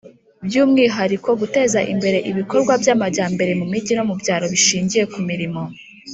by'umwihariko, guteza imbere ibikorwa by'amajyambere mu mijyi no mu byaro bishingiye ku mirimo